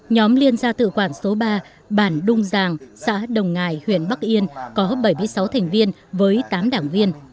nhóm liên gia tự quản số ba bản đung giàng xã đồng ngài huyện bắc yên có bảy mươi sáu thành viên với tám đảng viên